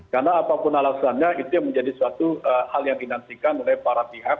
karena apapun alasannya itu menjadi suatu hal yang dinantikan oleh para pihak